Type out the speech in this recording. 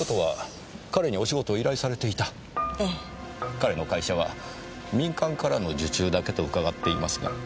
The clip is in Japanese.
彼の会社は民間からの受注だけと伺っていますが？